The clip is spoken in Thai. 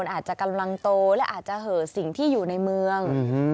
อาจจะกำลังโตและอาจจะเหอะสิ่งที่อยู่ในเมือง